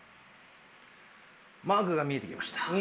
マークが見えてきました。